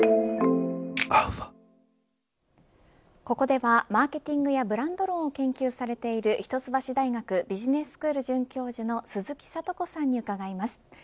ここではマーケティングやブランド論を研究されている一橋大学ビジネススクール准教授の鈴木智子さんに伺います。